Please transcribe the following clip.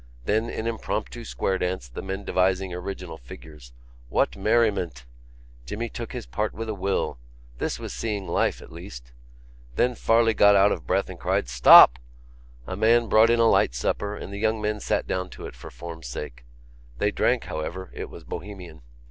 Then an impromptu square dance, the men devising original figures. What merriment! Jimmy took his part with a will; this was seeing life, at least. Then Farley got out of breath and cried "Stop!" A man brought in a light supper, and the young men sat down to it for form's sake. They drank, however: it was Bohemian.